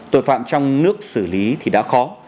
tội phạm trong nước xử lý thì đã khó